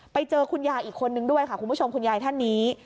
ไปเจอคุณยายอีกคนนึงด้วยค่ะคุณผู้ชมคุณยายท่านนี้